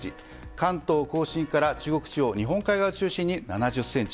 関東・甲信から中国地方日本海側を中心に７０ｃｍ